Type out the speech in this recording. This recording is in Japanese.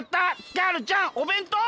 ガールちゃんおべんとう！